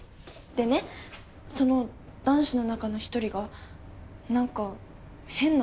でねその男子の中の１人がなんか変なの。